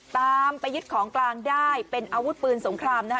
ตามไปยึดของกลางได้เป็นอาวุธปืนสงครามนะคะ